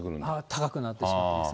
高くなってしまいます。